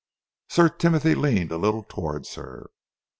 Sir Timothy leaned a little towards her.